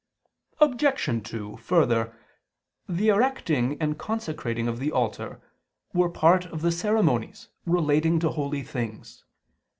Obj. 2: Further, the erecting and consecrating of the altar were part of the ceremonies relating to holy things.